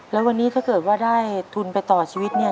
แล้ววันนี้ถ้าเกิดว่าได้ทุนไปต่อชีวิตเนี่ย